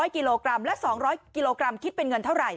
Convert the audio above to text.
กิโลกรัมและ๒๐๐กิโลกรัมคิดเป็นเงินเท่าไหร